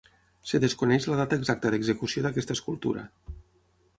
Es desconeix la data exacta d'execució d'aquesta escultura.